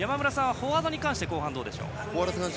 フォワードについてはどうでしょう。